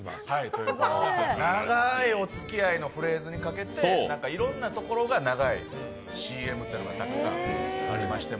ということで、「ながーい、おつきあい」のフレーズにかけて、いろんなところが長いＣＭというのがたくさんありまして。